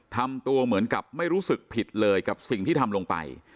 ทำตัวเหมือนกับไม่รู้สึกผิดเลยกับสิ่งที่ทำลงไป